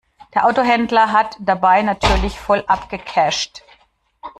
Der Autohändler hat dabei natürlich voll abgecasht.